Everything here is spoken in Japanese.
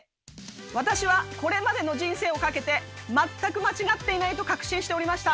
私はこれまでの人生を懸けて全く間違っていないと確信しておりました。